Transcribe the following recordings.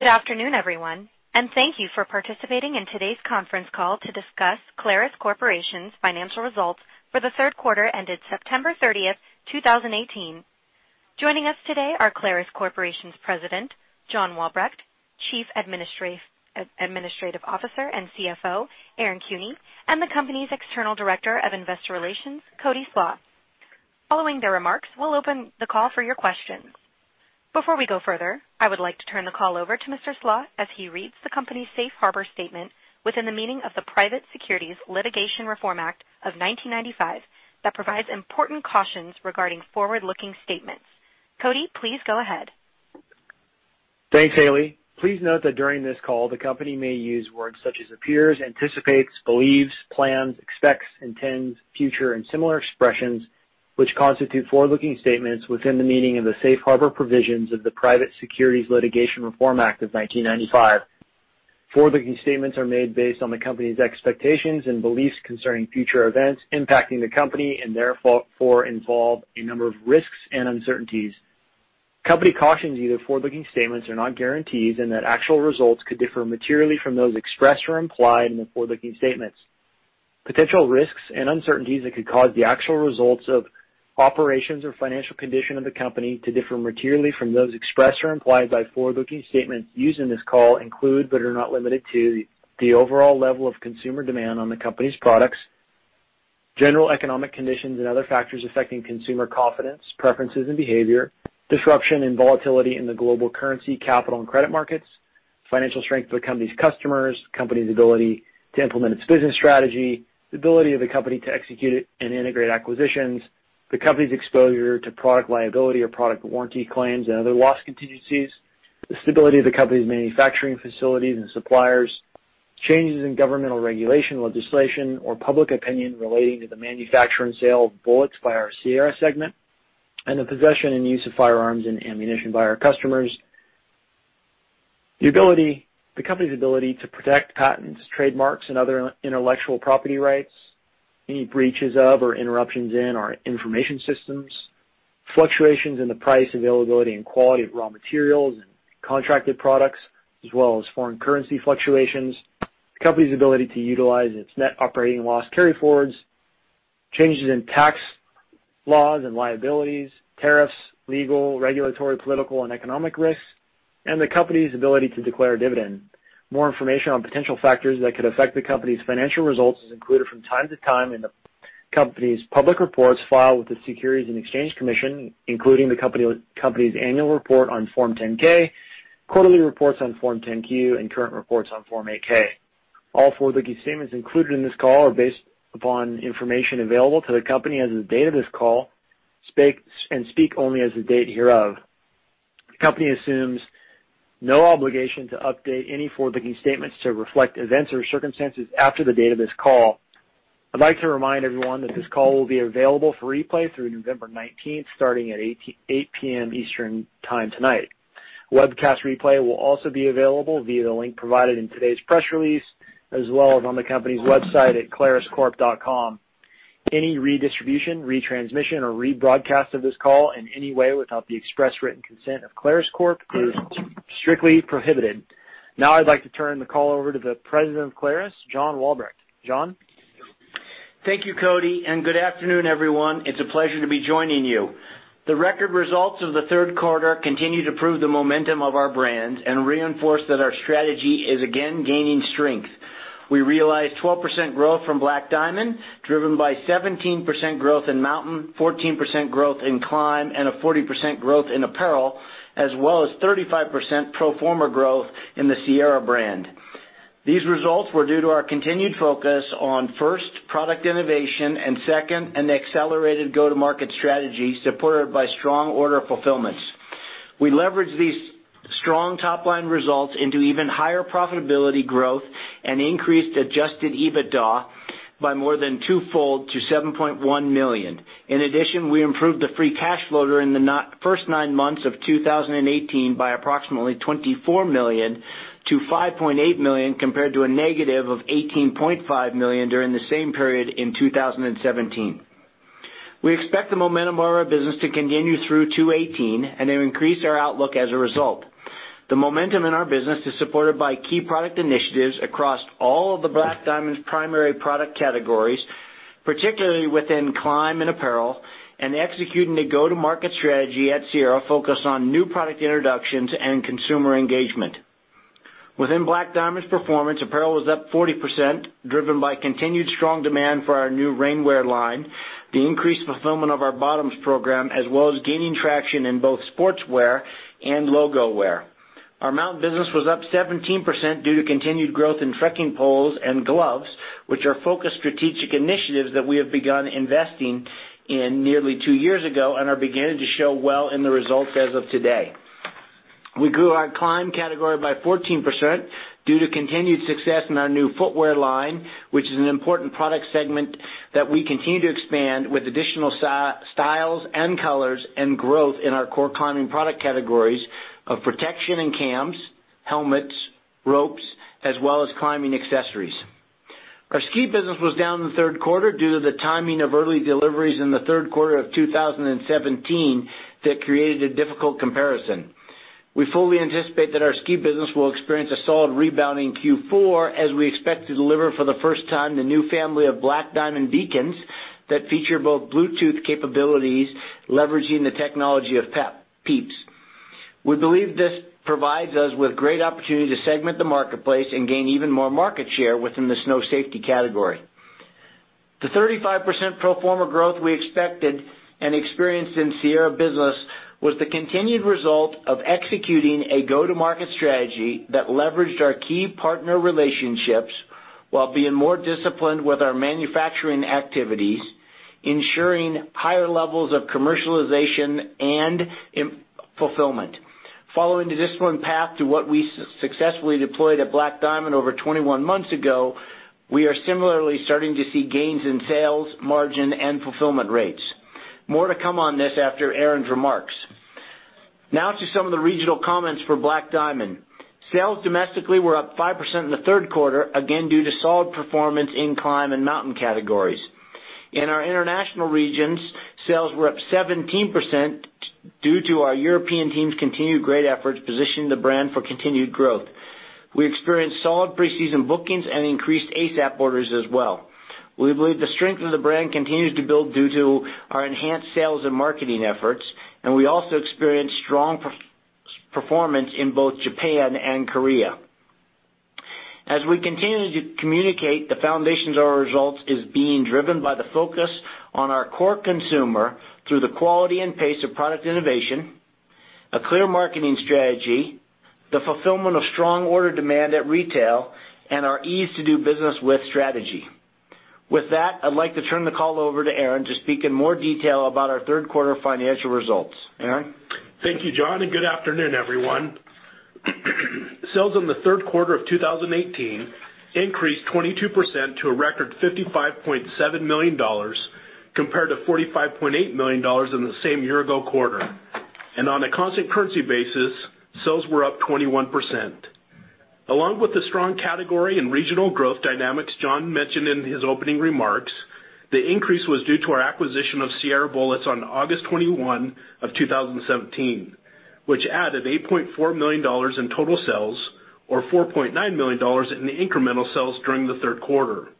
Good afternoon, everyone, and thank you for participating in today's conference call to discuss Clarus Corporation's financial results for the third quarter ended September 30th, 2018. Joining us today are Clarus Corporation's President, John Walbrecht, Chief Administrative Officer and CFO, Aaron Kuehne, and the company's External Director of Investor Relations, Cody Slach. Following their remarks, we'll open the call for your questions. Before we go further, I would like to turn the call over to Mr. Slach as he reads the company's Safe Harbor statement within the meaning of the Private Securities Litigation Reform Act of 1995 that provides important cautions regarding forward-looking statements. Cody, please go ahead. Thanks, Haley. Please note that during this call, the company may use words such as appears, anticipates, believes, plans, expects, intends, future, and similar expressions, which constitute forward-looking statements within the meaning of the Safe Harbor provisions of the Private Securities Litigation Reform Act of 1995. Forward-looking statements are made based on the company's expectations and beliefs concerning future events impacting the company, and therefore, involve a number of risks and uncertainties. Company cautions you that forward-looking statements are not guarantees and that actual results could differ materially from those expressed or implied in the forward-looking statements. Potential risks and uncertainties that could cause the actual results of operations or financial condition of the company to differ materially from those expressed or implied by forward-looking statements used in this call include, but are not limited to, the overall level of consumer demand on the company's products, general economic conditions and other factors affecting consumer confidence, preferences, and behavior, disruption and volatility in the global currency, capital, and credit markets, financial strength of the company's customers. The company's ability to implement its business strategy, the ability of the company to execute and integrate acquisitions, the company's exposure to product liability or product warranty claims and other loss contingencies, the stability of the company's manufacturing facilities and suppliers, changes in governmental regulation, legislation, or public opinion relating to the manufacture and sale of bullets by our Sierra segment, and the possession and use of firearms and ammunition by our customers. The company's ability to protect patents, trademarks, and other intellectual property rights, any breaches of or interruptions in our information systems, fluctuations in the price, availability, and quality of raw materials and contracted products, as well as foreign currency fluctuations, the company's ability to utilize its net operating loss carryforwards, changes in tax laws and liabilities, tariffs, legal, regulatory, political, and economic risks, and the company's ability to declare a dividend. More information on potential factors that could affect the company's financial results is included from time to time in the company's public reports filed with the Securities and Exchange Commission, including the company's annual report on Form 10-K, quarterly reports on Form 10-Q, and current reports on Form 8-K. All forward-looking statements included in this call are based upon information available to the company as of the date of this call and speak only as of the date hereof. The company assumes no obligation to update any forward-looking statements to reflect events or circumstances after the date of this call. I'd like to remind everyone that this call will be available for replay through November 19th, starting at 8:00 P.M. Eastern Time tonight. Webcast replay will also be available via the link provided in today's press release, as well as on the company's website at claruscorp.com. Any redistribution, retransmission, or rebroadcast of this call in any way without the express written consent of Clarus Corp is strictly prohibited. I'd like to turn the call over to the President of Clarus, John Walbrecht. John? Thank you, Cody, and good afternoon, everyone. It's a pleasure to be joining you. The record results of the third quarter continue to prove the momentum of our brands and reinforce that our strategy is again gaining strength. We realized 12% growth from Black Diamond, driven by 17% growth in mountain, 14% growth in climb, and a 40% growth in apparel, as well as 35% pro forma growth in the Sierra brand. These results were due to our continued focus on, first, product innovation and second, an accelerated go-to-market strategy supported by strong order fulfillments. We leveraged these strong top-line results into even higher profitability growth and increased Adjusted EBITDA by more than twofold to $7.1 million. In addition, we improved the free cash flow during the first nine months of 2018 by approximately $24 million to $5.8 million, compared to a negative of $18.5 million during the same period in 2017. We expect the momentum of our business to continue through 2018 and have increased our outlook as a result. The momentum in our business is supported by key product initiatives across all of Black Diamond's primary product categories, particularly within climb and apparel, and executing a go-to-market strategy at Sierra focused on new product introductions and consumer engagement. Within Black Diamond's performance, apparel was up 40%, driven by continued strong demand for our new rainwear line, the increased fulfillment of our bottoms program, as well as gaining traction in both sportswear and logo wear. Our mountain business was up 17% due to continued growth in trekking poles and gloves, which are focused strategic initiatives that we have begun investing in nearly two years ago and are beginning to show well in the results as of today. We grew our climb category by 14% due to continued success in our new footwear line, which is an important product segment that we continue to expand with additional styles and colors and growth in our core climbing product categories of protection and cams, helmets, ropes, as well as climbing accessories. Our ski business was down in the third quarter due to the timing of early deliveries in the third quarter of 2017 that created a difficult comparison. We fully anticipate that our ski business will experience a solid rebound in Q4 as we expect to deliver for the first time the new family of Black Diamond beacons that feature both Bluetooth capabilities, leveraging the technology of PIEPS. We believe this provides us with great opportunity to segment the marketplace and gain even more market share within the snow safety category. The 35% pro forma growth we expected and experienced in Sierra business was the continued result of executing a go-to-market strategy that leveraged our key partner relationships while being more disciplined with our manufacturing activities, ensuring higher levels of commercialization and fulfillment. Following the disciplined path to what we successfully deployed at Black Diamond over 21 months ago, we are similarly starting to see gains in sales, margin, and fulfillment rates. More to come on this after Aaron's remarks. Now to some of the regional comments for Black Diamond. Sales domestically were up 5% in the third quarter, again due to solid performance in climb and mountain categories. In our international regions, sales were up 17% due to our European team's continued great efforts positioning the brand for continued growth. We experienced solid pre-season bookings and increased ASAP orders as well. We believe the strength of the brand continues to build due to our enhanced sales and marketing efforts, and we also experienced strong performance in both Japan and Korea. As we continue to communicate, the foundations of our results is being driven by the focus on our core consumer through the quality and pace of product innovation, a clear marketing strategy, the fulfillment of strong order demand at retail, and our ease to do business with strategy. With that, I'd like to turn the call over to Aaron to speak in more detail about our third quarter financial results. Aaron? Thank you, John, and good afternoon, everyone. Sales in the third quarter of 2018 increased 22% to a record $55.7 million compared to $45.8 million in the same year-ago quarter. On a constant currency basis, sales were up 21%. Along with the strong category and regional growth dynamics John mentioned in his opening remarks, the increase was due to our acquisition of Sierra Bullets on August 21 of 2017, which added $8.4 million in total sales or $4.9 million in incremental sales during the third quarter.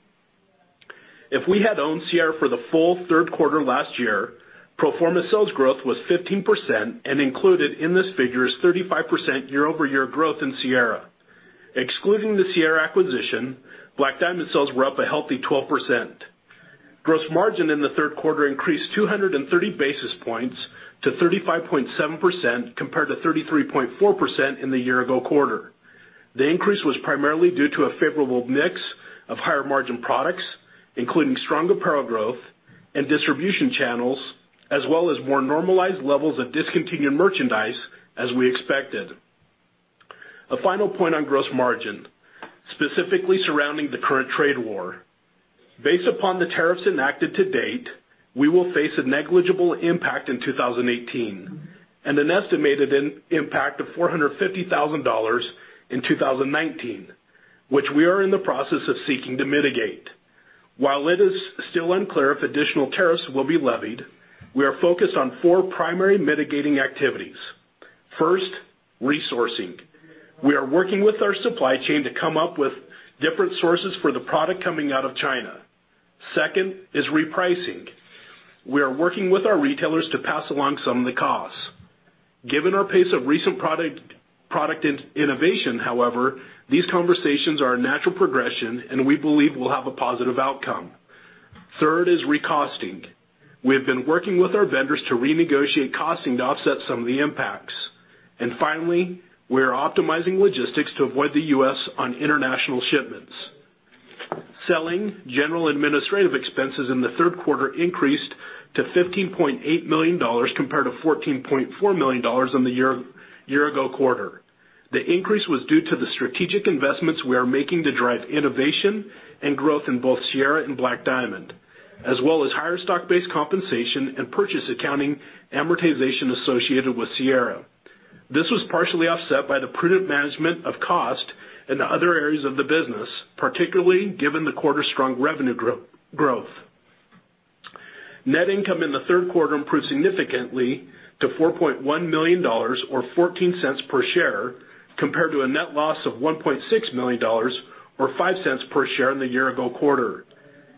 If we had owned Sierra for the full third quarter last year, pro forma sales growth was 15% and included in this figure is 35% year-over-year growth in Sierra. Excluding the Sierra acquisition, Black Diamond sales were up a healthy 12%. Gross margin in the third quarter increased 230 basis points to 35.7%, compared to 33.4% in the year-ago quarter. The increase was primarily due to a favorable mix of higher-margin products, including strong apparel growth and distribution channels, as well as more normalized levels of discontinued merchandise, as we expected. A final point on gross margin, specifically surrounding the current trade war. Based upon the tariffs enacted to date, we will face a negligible impact in 2018 and an estimated impact of $450,000 in 2019, which we are in the process of seeking to mitigate. While it is still unclear if additional tariffs will be levied, we are focused on four primary mitigating activities. First, resourcing. We are working with our supply chain to come up with different sources for the product coming out of China. Second is repricing. We are working with our retailers to pass along some of the costs. Given our pace of recent product innovation, however, these conversations are a natural progression, and we believe will have a positive outcome. Third is recosting. We have been working with our vendors to renegotiate costing to offset some of the impacts. Finally, we are optimizing logistics to avoid the U.S. on international shipments. Selling, general administrative expenses in the third quarter increased to $15.8 million compared to $14.4 million in the year-ago quarter. The increase was due to the strategic investments we are making to drive innovation and growth in both Sierra and Black Diamond, as well as higher stock-based compensation and purchase accounting amortization associated with Sierra. This was partially offset by the prudent management of cost in the other areas of the business, particularly given the quarter's strong revenue growth. Net income in the third quarter improved significantly to $4.1 million or $0.14 per share, compared to a net loss of $1.6 million or $0.05 per share in the year-ago quarter.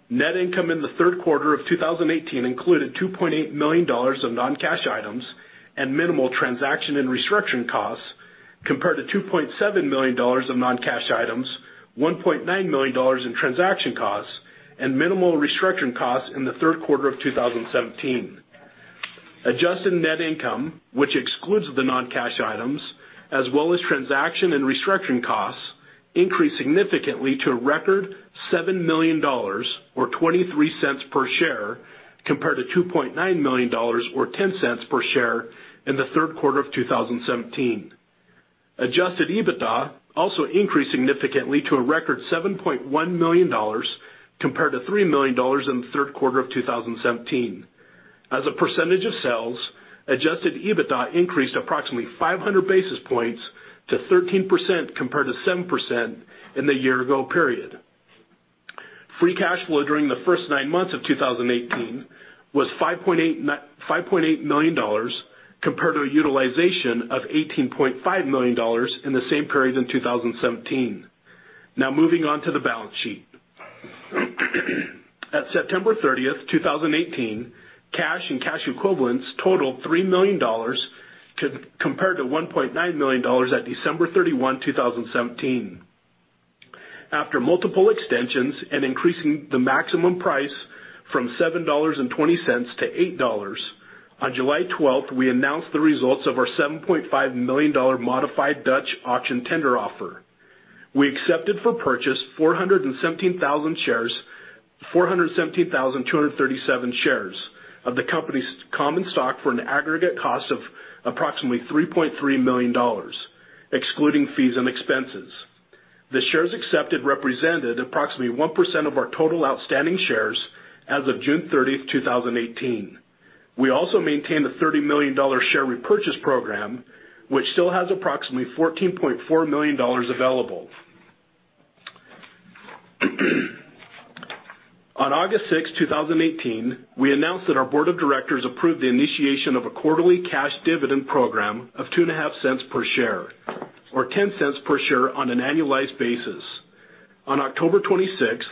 Net income in the third quarter of 2018 included $2.8 million of non-cash items and minimal transaction and restructuring costs, compared to $2.7 million of non-cash items, $1.9 million in transaction costs, and minimal restructuring costs in the third quarter of 2017. Adjusted net income, which excludes the non-cash items as well as transaction and restructuring costs, increased significantly to a record $7 million or $0.23 per share, compared to $2.9 million or $0.10 per share in the third quarter of 2017. Adjusted EBITDA also increased significantly to a record $7.1 million compared to $3 million in the third quarter of 2017. As a percentage of sales, Adjusted EBITDA increased approximately 500 basis points to 13% compared to 7% in the year ago period. Free cash flow during the first nine months of 2018 was $5.8 million compared to a utilization of $18.5 million in the same period in 2017. Now moving on to the balance sheet. At September 30th, 2018, cash and cash equivalents totaled $3 million compared to $1.9 million at December 31, 2017. After multiple extensions and increasing the maximum price from $7.20 to $8, on July 12th, we announced the results of our $7.5 million modified Dutch auction tender offer. We accepted for purchase 417,237 shares of the company's common stock for an aggregate cost of approximately $3.3 million, excluding fees and expenses. The shares accepted represented approximately 1% of our total outstanding shares as of June 30, 2018. We also maintain the $30 million share repurchase program, which still has approximately $14.4 million available. On August 6, 2018, we announced that our board of directors approved the initiation of a quarterly cash dividend program of $0.025 per share, or $0.10 per share on an annualized basis. On October 26,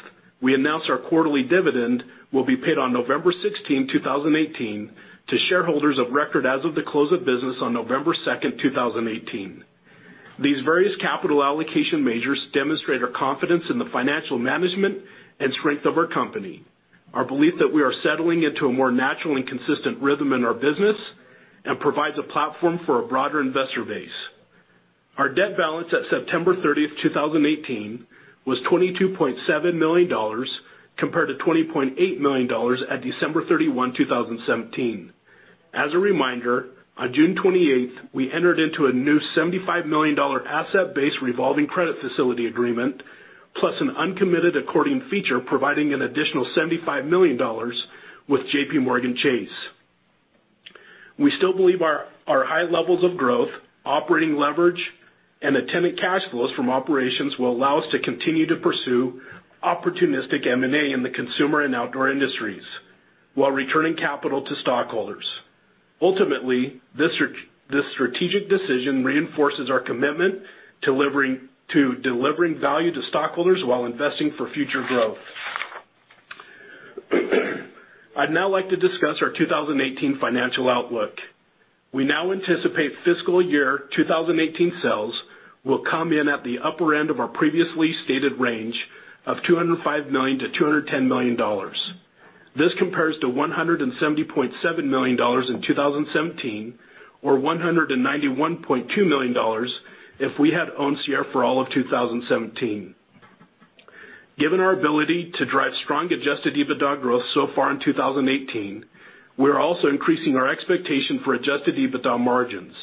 we announced our quarterly dividend will be paid on November 16, 2018, to shareholders of record as of the close of business on November 2, 2018. These various capital allocation measures demonstrate our confidence in the financial management and strength of our company, our belief that we are settling into a more natural and consistent rhythm in our business, and provides a platform for a broader investor base. Our debt balance at September 30, 2018, was $22.7 million compared to $20.8 million at December 31, 2017. As a reminder, on June 28, we entered into a new $75 million asset-based revolving credit facility agreement, plus an uncommitted accordion feature providing an additional $75 million with JPMorgan Chase. We still believe our high levels of growth, operating leverage, and attendant cash flows from operations will allow us to continue to pursue opportunistic M&A in the consumer and outdoor industries while returning capital to stockholders. Ultimately, this strategic decision reinforces our commitment to delivering value to stockholders while investing for future growth. I'd now like to discuss our 2018 financial outlook. We now anticipate fiscal year 2018 sales will come in at the upper end of our previously stated range of $205 million-$210 million. This compares to $170.7 million in 2017, or $191.2 million if we had owned Sierra for all of 2017. Given our ability to drive strong Adjusted EBITDA growth so far in 2018, we are also increasing our expectation for Adjusted EBITDA margins.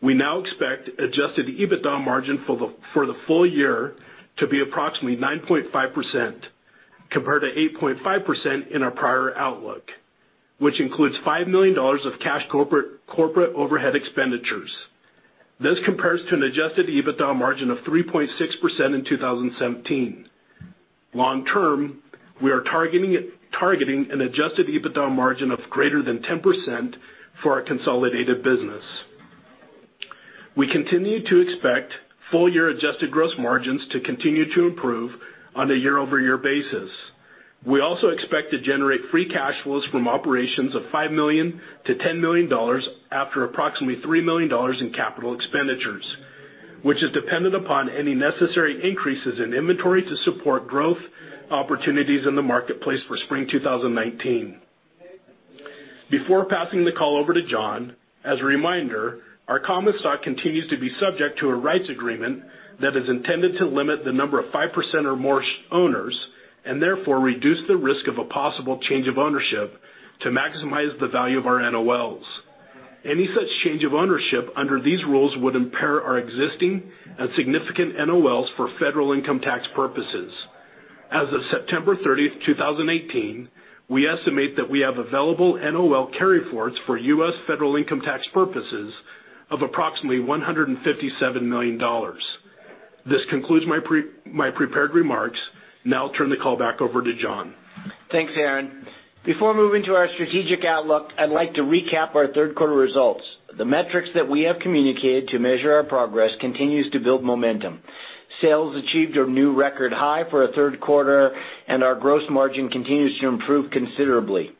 We now expect Adjusted EBITDA margin for the full year to be approximately 9.5%, compared to 8.5% in our prior outlook, which includes $5 million of cash corporate overhead expenditures. This compares to an Adjusted EBITDA margin of 3.6% in 2017. Long term, we are targeting an Adjusted EBITDA margin of greater than 10% for our consolidated business. We continue to expect full year adjusted gross margins to continue to improve on a year-over-year basis. We also expect to generate free cash flows from operations of $5 million-$10 million after approximately $3 million in capital expenditures, which is dependent upon any necessary increases in inventory to support growth opportunities in the marketplace for spring 2019. Before passing the call over to John, as a reminder, our common stock continues to be subject to a rights agreement that is intended to limit the number of 5% or more owners, and therefore reduce the risk of a possible change of ownership to maximize the value of our NOLs. Any such change of ownership under these rules would impair our existing and significant NOLs for U.S. federal income tax purposes. As of September 30th, 2018, we estimate that we have available NOL carry-forwards for U.S. federal income tax purposes of approximately $157 million. This concludes my prepared remarks. Now I'll turn the call back over to John. Thanks, Aaron. Before moving to our strategic outlook, I'd like to recap our third quarter results. The metrics that we have communicated to measure our progress continues to build momentum. Sales achieved a new record high for a third quarter, and our gross margin continues to improve considerably.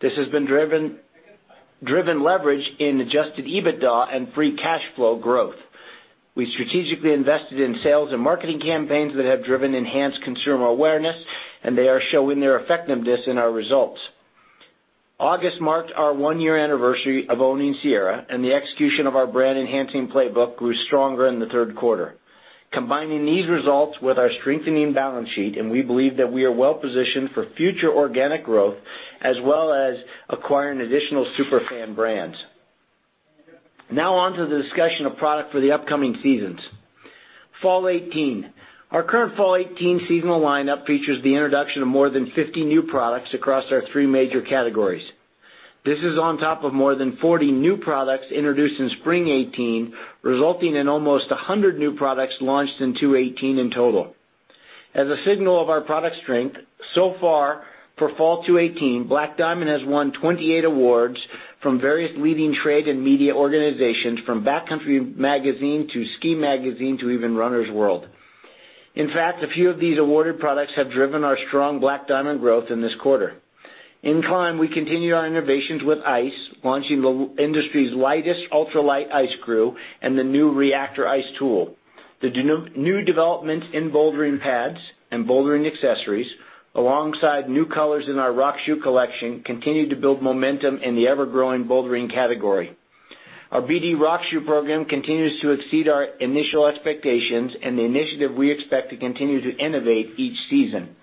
This has been driven leverage in Adjusted EBITDA and free cash flow growth. We strategically invested in sales and marketing campaigns that have driven enhanced consumer awareness, and they are showing their effectiveness in our results. August marked our one-year anniversary of owning Sierra, and the execution of our brand-enhancing playbook grew stronger in the third quarter. Combining these results with our strengthening balance sheet, and we believe that we are well-positioned for future organic growth, as well as acquiring additional super fan brands. Now on to the discussion of product for the upcoming seasons. Fall 2018. Our current fall 2018 seasonal lineup features the introduction of more than 50 new products across our three major categories. This is on top of more than 40 new products introduced in spring 2018, resulting in almost 100 new products launched in 2018 in total. As a signal of our product strength, so far, for fall 2018, Black Diamond has won 28 awards from various leading trade and media organizations, from Backcountry Magazine to Ski Magazine to even Runner's World. In fact, a few of these awarded products have driven our strong Black Diamond growth in this quarter. In climb, we continue our innovations with ice, launching the industry's lightest ultralight ice screw and the new Reactor Ice Tool. The new developments in bouldering pads and bouldering accessories, alongside new colors in our rock shoe collection, continue to build momentum in the ever-growing bouldering category. Our BD rock shoe program continues to exceed our initial expectations and the initiative we expect to continue to innovate each season.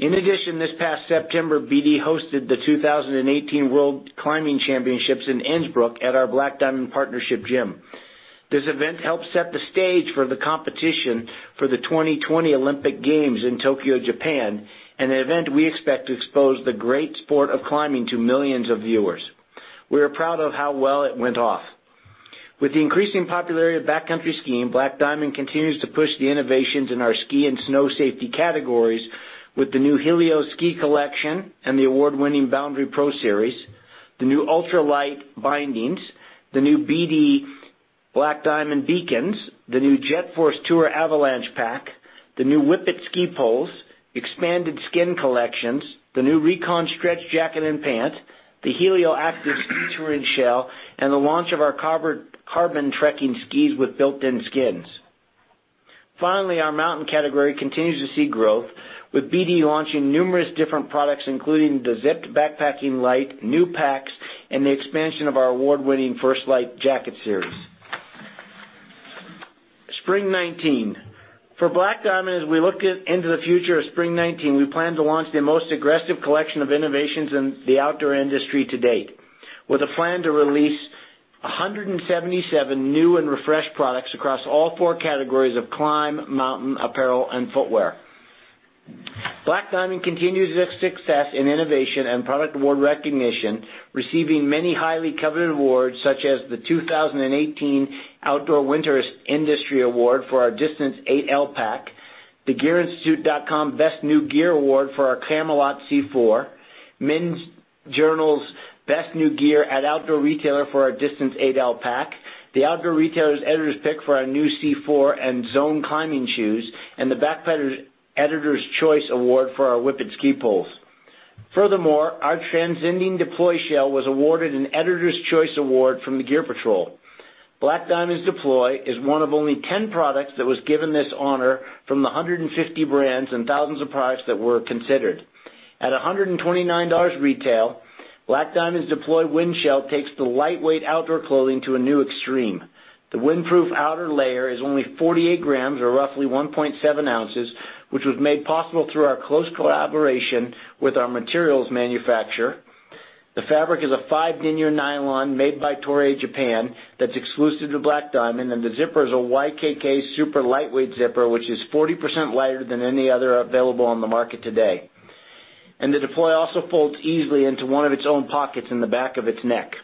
This past September, BD hosted the IFSC Climbing World Championships 2018 in Innsbruck at our Black Diamond partnership gym. This event helped set the stage for the competition for the Tokyo 2020 Olympic Games in Tokyo, Japan, an event we expect to expose the great sport of climbing to millions of viewers. We are proud of how well it went off. With the increasing popularity of backcountry skiing, Black Diamond continues to push the innovations in our ski and snow safety categories with the new Helio ski collection and the award-winning Boundary Pro series, the new ultralight bindings, the new BD Black Diamond beacons, the new JetForce Tour avalanche pack, the new Whippet ski poles, expanded skin collections, the new Recon stretch jacket and pant, the Helio Active touring shell, and the launch of our carbon trekking skis with built-in skins. Finally, our mountain category continues to see growth, with BD launching numerous different products, including the zipped Backpacking Light, new packs, and the expansion of our award-winning First Light jacket series. Spring 2019. For Black Diamond, as we look into the future of spring 2019, we plan to launch the most aggressive collection of innovations in the outdoor industry to date, with a plan to release 177 new and refreshed products across all four categories of climb, mountain, apparel, and footwear. Black Diamond continues its success in innovation and product award recognition, receiving many highly coveted awards, such as the 2018 Outdoor Winter Industry Award for our Distance 8 pack, the gearinstitute.com Best New Gear award for our Camalot C4, Men's Journal's Best New Gear at Outdoor Retailer for our Distance 8 pack, the Outdoor Retailer's Editors Pick for our new C4 and Zone climbing shoes, and the Backpacker's Editors Choice award for our Whippet ski poles. Our transcending Deploy shell was awarded an Editor's Choice award from the Gear Patrol. Black Diamond's Deploy is one of only 10 products that was given this honor from the 150 brands and thousands of products that were considered. At $129 retail, Black Diamond's Deploy wind shell takes the lightweight outdoor clothing to a new extreme. The windproof outer layer is only 48 grams, or roughly 1.7 ounces, which was made possible through our close collaboration with our materials manufacturer. The fabric is a five-denier nylon made by Toray Japan that's exclusive to Black Diamond, and the zipper is a YKK super lightweight zipper, which is 40% lighter than any other available on the market today. The Deploy also folds easily into one of its own pockets in the back of its neck.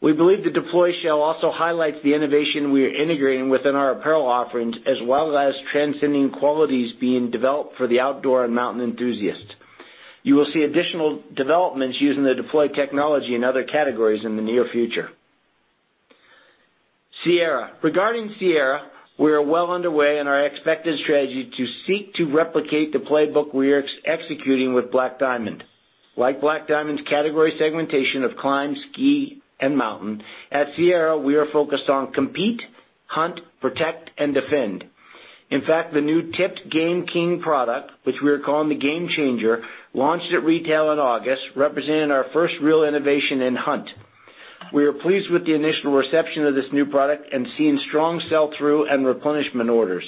We believe the Deploy shell also highlights the innovation we are integrating within our apparel offerings, as well as transcending qualities being developed for the outdoor and mountain enthusiast. You will see additional developments using the Deploy technology in other categories in the near future. Sierra. Regarding Sierra, we are well underway in our expected strategy to seek to replicate the playbook we are executing with Black Diamond. Like Black Diamond's category segmentation of climb, ski, and mountain, at Sierra, we are focused on compete, hunt, protect, and defend. The new tipped GameKing product, which we are calling the GameChanger, launched at retail in August, representing our first real innovation in hunt. We are pleased with the initial reception of this new product and seen strong sell-through and replenishment orders.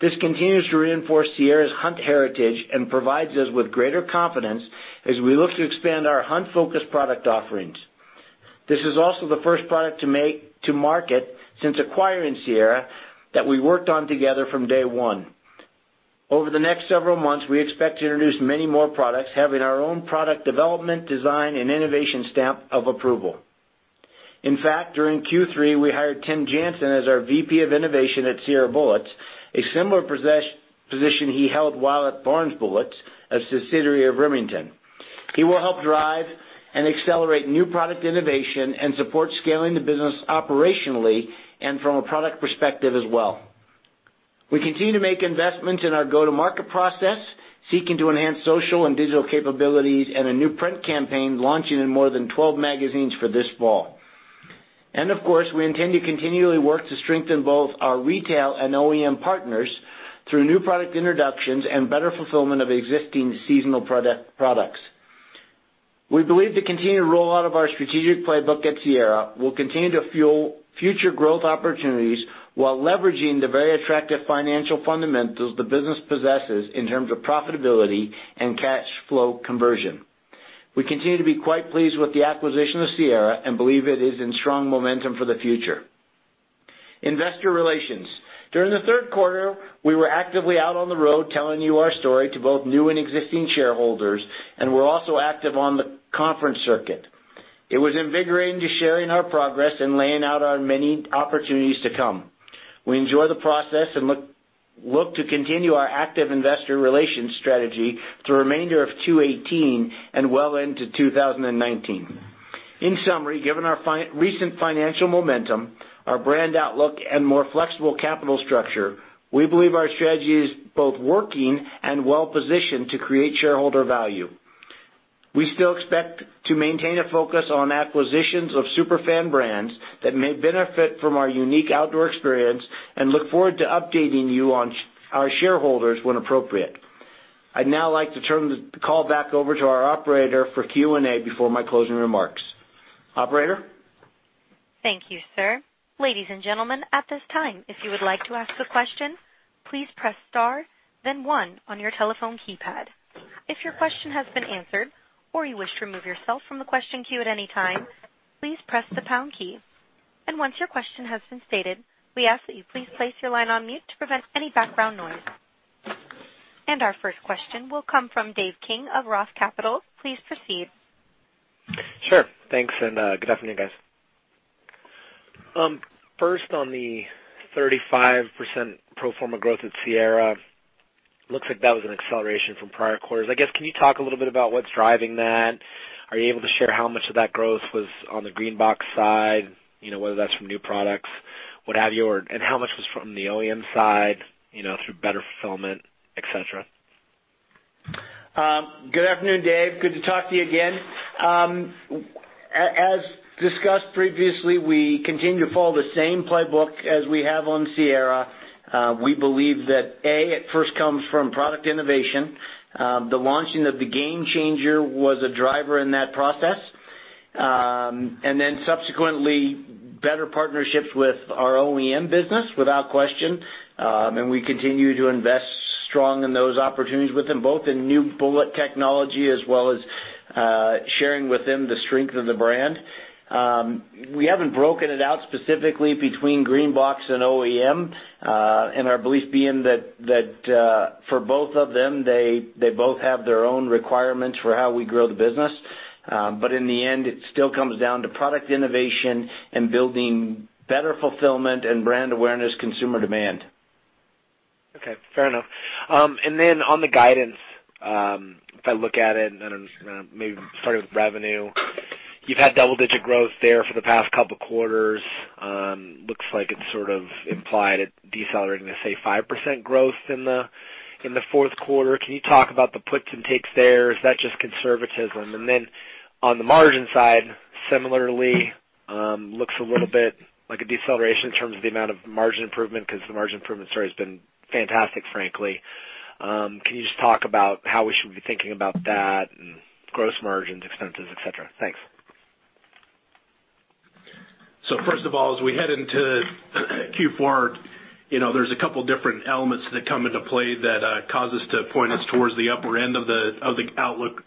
This continues to reinforce Sierra's hunt heritage and provides us with greater confidence as we look to expand our hunt-focused product offerings. This is also the first product to market since acquiring Sierra that we worked on together from day one. Over the next several months, we expect to introduce many more products, having our own product development, design, and innovation stamp of approval. In fact, during Q3, we hired Tim Jansen as our VP of Innovation at Sierra Bullets, a similar position he held while at Barnes Bullets, a subsidiary of Remington. He will help drive and accelerate new product innovation and support scaling the business operationally and from a product perspective as well. We continue to make investments in our go-to-market process, seeking to enhance social and digital capabilities and a new print campaign launching in more than 12 magazines for this fall. Of course, we intend to continually work to strengthen both our retail and OEM partners through new product introductions and better fulfillment of existing seasonal products. We believe the continued rollout of our strategic playbook at Sierra will continue to fuel future growth opportunities while leveraging the very attractive financial fundamentals the business possesses in terms of profitability and cash flow conversion. We continue to be quite pleased with the acquisition of Sierra and believe it is in strong momentum for the future. Investor relations. During the third quarter, we were actively out on the road telling you our story to both new and existing shareholders, and we're also active on the conference circuit. It was invigorating to sharing our progress and laying out our many opportunities to come. We enjoy the process and look to continue our active investor relations strategy through the remainder of 2018 and well into 2019. In summary, given our recent financial momentum, our brand outlook, and more flexible capital structure, we believe our strategy is both working and well-positioned to create shareholder value. We still expect to maintain a focus on acquisitions of super fan brands that may benefit from our unique outdoor experience and look forward to updating you on our shareholders when appropriate. I'd now like to turn the call back over to our operator for Q&A before my closing remarks. Operator? Thank you, sir. Ladies and gentlemen, at this time, if you would like to ask a question, please press star then one on your telephone keypad. If your question has been answered or you wish to remove yourself from the question queue at any time, please press the pound key. Once your question has been stated, we ask that you please place your line on mute to prevent any background noise. Our first question will come from Dave King of Roth Capital. Please proceed. Sure. Thanks, and good afternoon, guys. First, on the 35% pro forma growth at Sierra, looks like that was an acceleration from prior quarters. I guess, can you talk a little bit about what's driving that? Are you able to share how much of that growth was on the green box side? Whether that's from new products, what have you, and how much was from the OEM side, through better fulfillment, et cetera? Good afternoon, Dave. Good to talk to you again. As discussed previously, we continue to follow the same playbook as we have on Sierra. We believe that, A, it first comes from product innovation. The launching of the GameChanger was a driver in that process. Subsequently, better partnerships with our OEM business, without question. We continue to invest strong in those opportunities with them, both in new bullet technology as well as sharing with them the strength of the brand. We haven't broken it out specifically between green box and OEM, and our belief being that for both of them, they both have their own requirements for how we grow the business. In the end, it still comes down to product innovation and building better fulfillment and brand awareness, consumer demand. Okay. Fair enough. On the guidance, if I look at it, and then maybe start with revenue. You've had double-digit growth there for the past couple of quarters. Looks like it is sort of implied at decelerating to, say, 5% growth in the fourth quarter. Can you talk about the puts and takes there? Is that just conservatism? On the margin side, similarly, looks a little bit like a deceleration in terms of the amount of margin improvement, because the margin improvement story has been fantastic, frankly. Can you just talk about how we should be thinking about that and gross margins, expenses, et cetera? Thanks. First of all, as we head into Q4, there's a couple different elements that come into play that cause us to point us towards the upper end of the outlook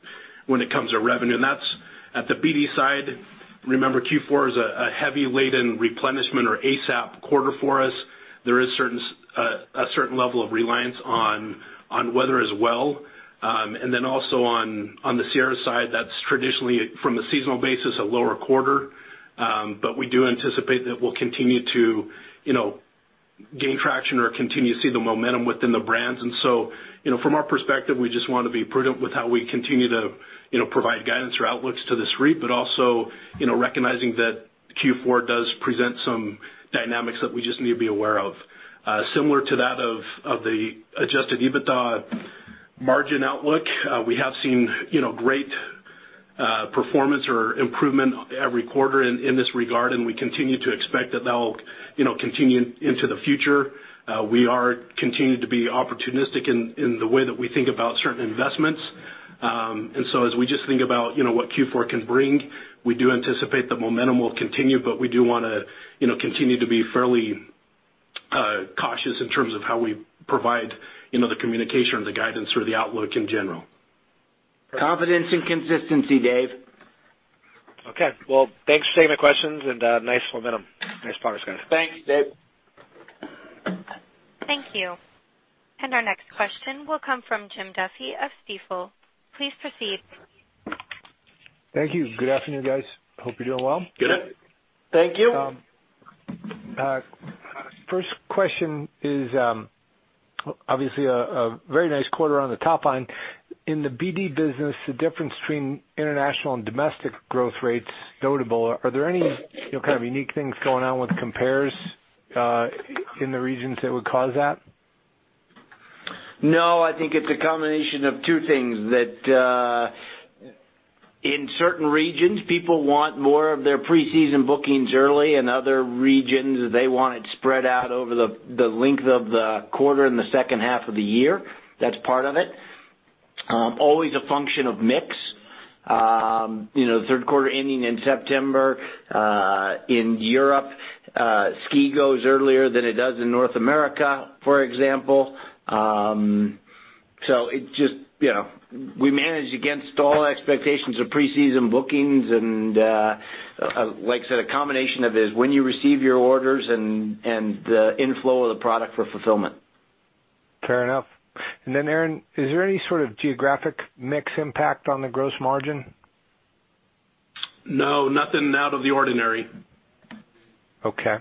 when it comes to revenue. That's at the BD side. Remember, Q4 is a heavily laid in replenishment or ASAP quarter for us. There is a certain level of reliance on weather as well. Also on the Sierra side, that's traditionally, from a seasonal basis, a lower quarter. We do anticipate that we'll continue to gain traction or continue to see the momentum within the brands. From our perspective, we just want to be prudent with how we continue to provide guidance or outlooks to the street, but also recognizing that Q4 does present some dynamics that we just need to be aware of. Similar to that of the Adjusted EBITDA margin outlook, we have seen great performance or improvement every quarter in this regard, and we continue to expect that that will continue into the future. We are continuing to be opportunistic in the way that we think about certain investments. As we just think about what Q4 can bring, we do anticipate the momentum will continue, but we do want to continue to be fairly cautious in terms of how we provide the communication or the guidance or the outlook in general. Confidence and consistency, Dave. Okay. Well, thanks for taking the questions and nice momentum. Nice progress, guys. Thanks, Dave. Thank you. Our next question will come from Jim Duffy of Stifel. Please proceed. Thank you. Good afternoon, guys. Hope you're doing well. Good. Thank you. First question is, obviously a very nice quarter on the top line. In the BD business, the difference between international and domestic growth rates, notable. Are there any kind of unique things going on with compares in the regions that would cause that? I think it's a combination of two things. In certain regions, people want more of their preseason bookings early, and other regions, they want it spread out over the length of the quarter and the second half of the year. Part of it. Always a function of mix. Third quarter ending in September. In Europe, ski goes earlier than it does in North America, for example. We managed against all expectations of pre-season bookings and, like I said, a combination of is when you receive your orders and the inflow of the product for fulfillment. Fair enough. Aaron, is there any sort of geographic mix impact on the gross margin? No, nothing out of the ordinary. Okay.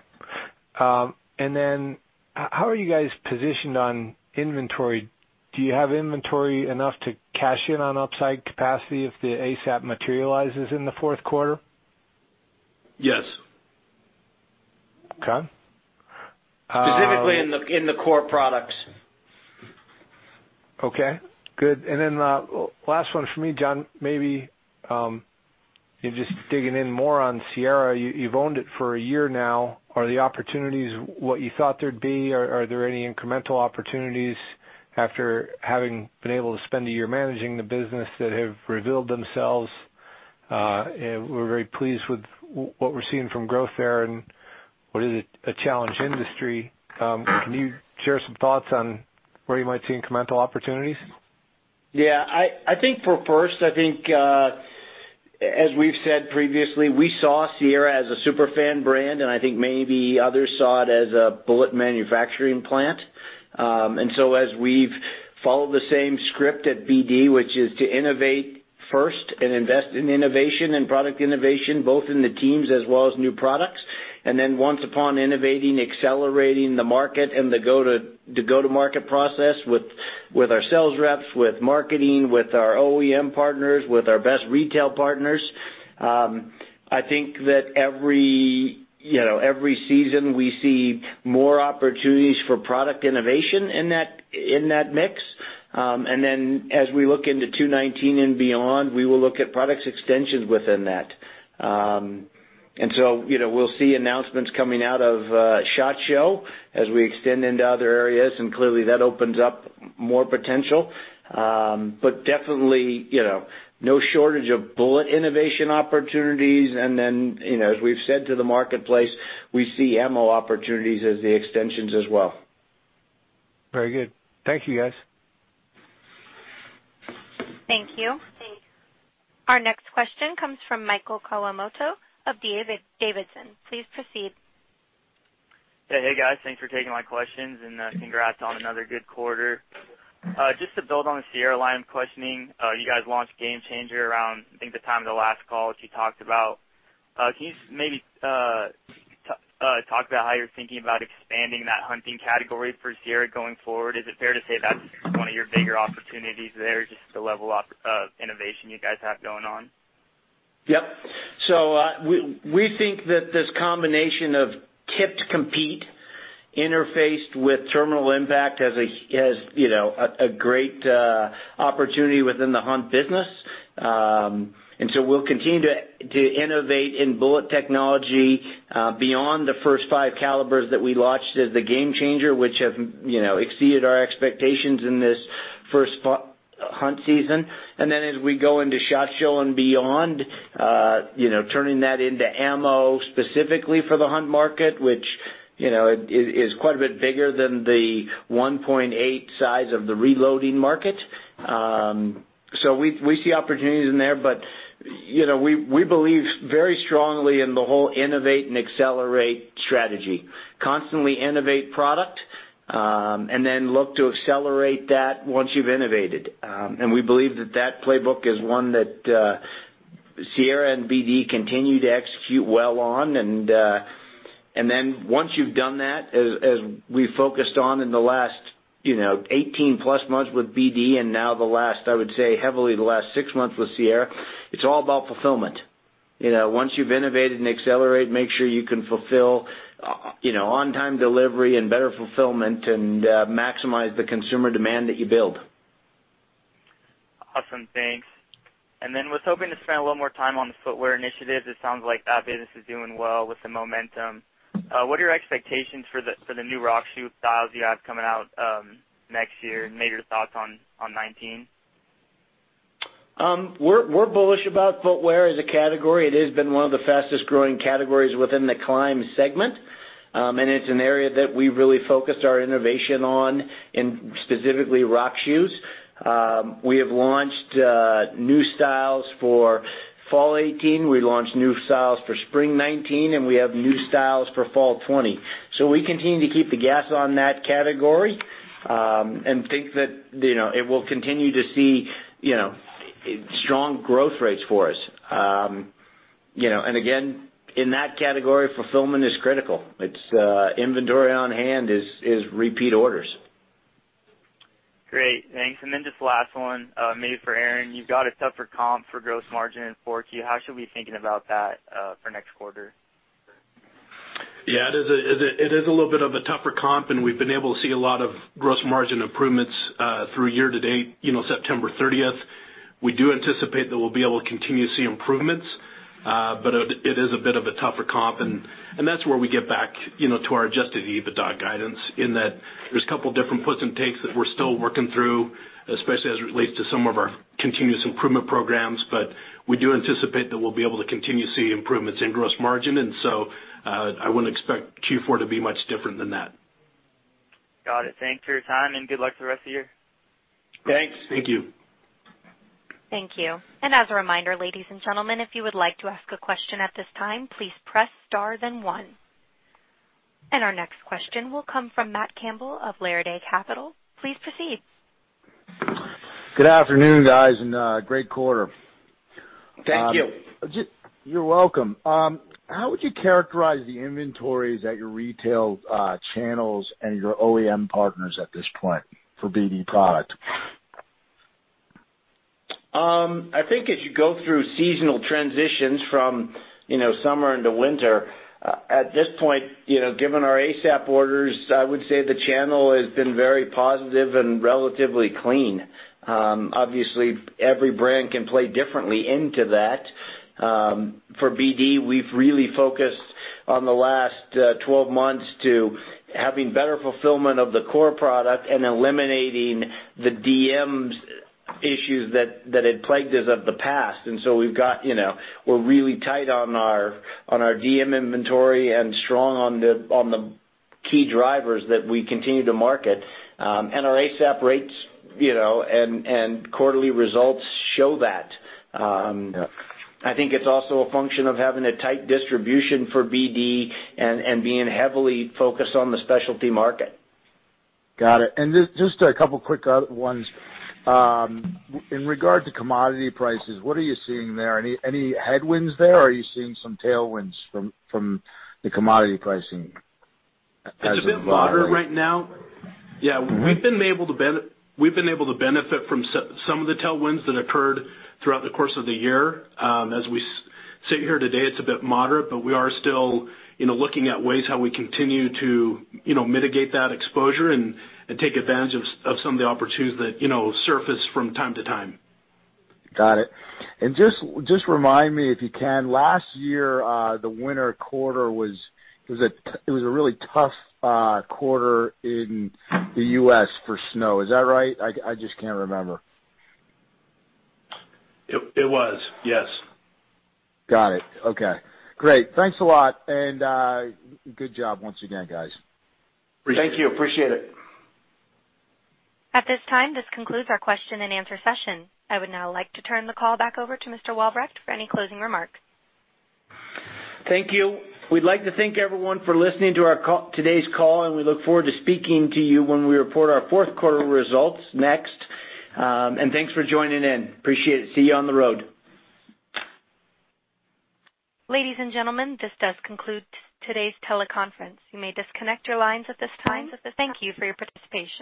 How are you guys positioned on inventory? Do you have inventory enough to cash in on upside capacity if the ASAP materializes in the fourth quarter? Yes. Okay. Specifically in the core products. Okay, good. Last one from me, John, maybe you're just digging in more on Sierra. You've owned it for a year now. Are the opportunities what you thought there'd be? Are there any incremental opportunities after having been able to spend a year managing the business that have revealed themselves? We're very pleased with what we're seeing from growth there and what is a challenged industry. Can you share some thoughts on where you might see incremental opportunities? I think, as we've said previously, we saw Sierra as a super fan brand, and I think maybe others saw it as a bullet manufacturing plant. As we've followed the same script at BD, which is to innovate first and invest in innovation and product innovation, both in the teams as well as new products. Then once upon innovating, accelerating the market and the go-to-market process with our sales reps, with marketing, with our OEM partners, with our best retail partners. I think that every season we see more opportunities for product innovation in that mix. Then as we look into 2019 and beyond, we will look at product extensions within that. So, we'll see announcements coming out of SHOT Show as we extend into other areas, and clearly that opens up more potential. Definitely, no shortage of bullet innovation opportunities. As we've said to the marketplace, we see ammo opportunities as the extensions as well. Very good. Thank you, guys. Thank you. Our next question comes from Michael Kawamoto of D.A. Davidson. Please proceed. Hey, guys. Thanks for taking my questions and congrats on another good quarter. Just to build on the Sierra line of questioning, you guys launched GameChanger around, I think, the time of the last call, which you talked about. Can you maybe talk about how you're thinking about expanding that hunting category for Sierra going forward? Is it fair to say that's one of your bigger opportunities there, just the level of innovation you guys have going on? Yep. We think that this combination of tipped GameKing interfaced with terminal impact has a great opportunity within the hunt business. We'll continue to innovate in bullet technology beyond the first five calibers that we launched as the GameChanger, which have exceeded our expectations in this first hunt season. As we go into SHOT Show and beyond, turning that into ammo specifically for the hunt market, which is quite a bit bigger than the 1.8 size of the reloading market. We see opportunities in there, but we believe very strongly in the whole innovate and accelerate strategy. Constantly innovate product, and then look to accelerate that once you've innovated. We believe that playbook is one that Sierra and BD continue to execute well on. Once you've done that, as we focused on in the last 18+ months with BD, and now the last, I would say heavily, the last 6 months with Sierra, it's all about fulfillment. Once you've innovated and accelerate, make sure you can fulfill on-time delivery and better fulfillment and maximize the consumer demand that you build. Awesome. Thanks. I was hoping to spend a little more time on the footwear initiatives. It sounds like that business is doing well with the momentum. What are your expectations for the new rock shoe styles you have coming out next year, and maybe your thoughts on 2019? We're bullish about footwear as a category. It has been one of the fastest-growing categories within the climb segment. It's an area that we've really focused our innovation on in specifically rock shoes. We have launched new styles for fall 2018, we launched new styles for spring 2019, and we have new styles for fall 2020. We continue to keep the gas on that category, and think that it will continue to see strong growth rates for us. Again, in that category, fulfillment is critical. It's inventory on hand is repeat orders. Great, thanks. Just last one, maybe for Aaron. You've got a tougher comp for gross margin in 4Q. How should we be thinking about that for next quarter? Yeah, it is a little bit of a tougher comp, and we've been able to see a lot of gross margin improvements through year to date, September 30th. We do anticipate that we'll be able to continue to see improvements. It is a bit of a tougher comp, and that's where we get back to our Adjusted EBITDA guidance, in that there's a couple different puts and takes that we're still working through, especially as it relates to some of our continuous improvement programs. We do anticipate that we'll be able to continue to see improvements in gross margin. I wouldn't expect Q4 to be much different than that. Got it. Thanks for your time and good luck the rest of the year. Thanks. Thank you. Thank you. As a reminder, ladies and gentlemen, if you would like to ask a question at this time, please press star then one. Our next question will come from Matt Campbell of Laridae Capital. Please proceed. Good afternoon, guys, and great quarter. Thank you. You're welcome. How would you characterize the inventories at your retail channels and your OEM partners at this point for BD product? I think as you go through seasonal transitions from summer into winter, at this point, given our ASAP orders, I would say the channel has been very positive and relatively clean. Obviously, every brand can play differently into that. For BD, we've really focused on the last 12 months to having better fulfillment of the core product and eliminating the DMS issues that had plagued us of the past. We're really tight on our DMS inventory and strong on the key drivers that we continue to market. Our ASAP rates and quarterly results show that. I think it's also a function of having a tight distribution for BD and being heavily focused on the specialty market. Got it. Just a couple quick ones. In regard to commodity prices, what are you seeing there? Any headwinds there? Are you seeing some tailwinds from the commodity pricing as of now? It's a bit moderate right now. Yeah. We've been able to benefit from some of the tailwinds that occurred throughout the course of the year. As we sit here today, it's a bit moderate, but we are still looking at ways how we continue to mitigate that exposure and take advantage of some of the opportunities that surface from time to time. Got it. Just remind me if you can, last year, the winter quarter, it was a really tough quarter in the U.S. for snow. Is that right? I just can't remember. It was, yes. Got it. Okay. Great. Thanks a lot, and good job once again, guys. Thank you. Appreciate it. At this time, this concludes our question and answer session. I would now like to turn the call back over to Mr. Walbrecht for any closing remarks. Thank you. We'd like to thank everyone for listening to today's call, and we look forward to speaking to you when we report our fourth quarter results next. Thanks for joining in. Appreciate it. See you on the road. Ladies and gentlemen, this does conclude today's teleconference. You may disconnect your lines at this time. Thank you for your participation.